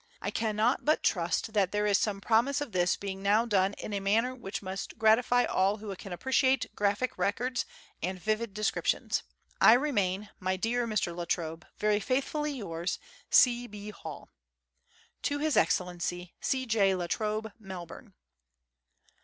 I cannot but trust that there is some promise of this being now done in a manner which must gratify all who can appre ciate graphic records and vivid descriptions. I remain, my dear Mr. La Trobe, Very faithfully yours, a B. HALL. To His Excellency C. J. La Trobe, Melbourne.